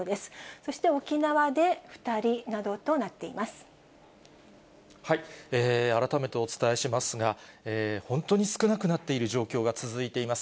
そして、沖縄で２人などとなって改めてお伝えしますが、本当に少なくなっている状況が続いています。